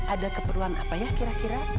ada keperluan apa ya kira kira